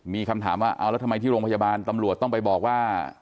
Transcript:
มีคำถามว่าเอาแล้วทำไมที่โรงพยาบาลตำรวจต้องไปบอกว่า